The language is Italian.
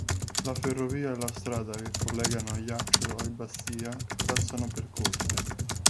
La ferrovia e la strada che collegano Ajaccio e Bastia passano per Corte.